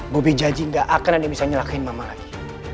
bobi janji gak akan ada yang bisa nyelakin mama lagi